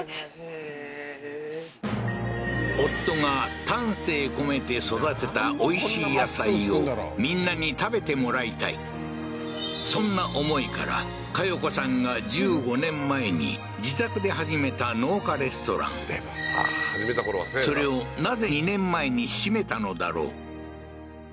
へえー夫が丹精込めて育てたおいしい野菜をみんなに食べてもらいたいそんな思いから加代子さんが１５年前に自宅で始めた農家レストランそれをなぜ２年前に閉めたのだろう？